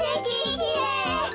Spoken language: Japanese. きれい。